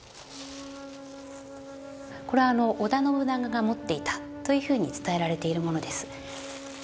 これは織田信長が持っていたというふうに伝えられているものです。